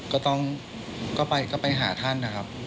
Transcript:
ก็ต้องไปหาท่านนะครับ